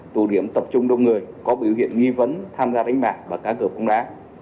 tụ điểm tập trung đông người có biểu hiện nghi vấn tham gia đánh bạc và cá cược bóng đá